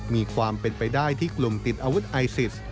มีความเป็นไปได้ที่กลุ่มติดอาวุธไอซิส